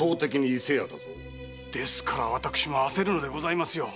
ですから私も焦るのでございますよ。